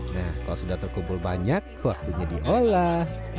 nah kalau sudah terkumpul banyak waktunya diolah